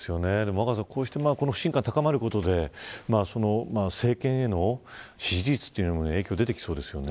こうして不信感が高まることで政権への支持率へも影響が出てきそうですよね。